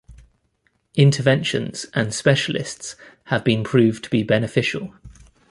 Interventions and specialists have been proven to be beneficial.